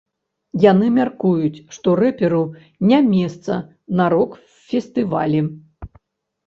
Яны мяркуюць, што рэперу не месца на рок-фестывалі.